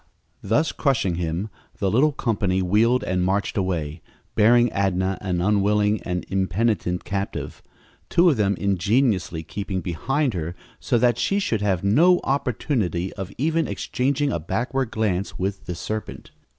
Thus crushing him, the little company wheeled and marched away, bearing Adnah an unwilling and impenitent captive, two of them ingeniously keeping behind her so that she should have no opportunity of even exchanging a backward glance with the serpent.